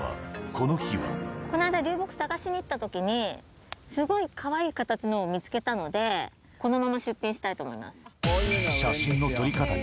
この間、流木探しに行ったときに、すごいかわいい形のを見つけたので、このまま出品したいと思います。